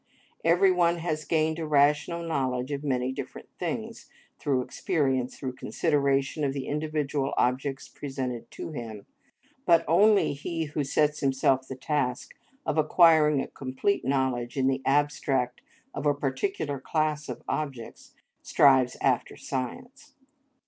Every one has gained a rational knowledge of many different things through experience, through consideration of the individual objects presented to him, but only he who sets himself the task of acquiring a complete knowledge in the abstract of a particular class of objects, strives after science.